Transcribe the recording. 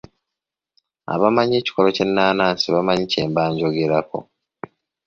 Abamanyi ekikolo ky'ennaanansi bamanyi kye mba njogerako.